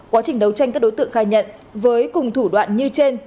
quá trình đấu tranh các đối tượng khai nhận với cùng thủ đoạn như trên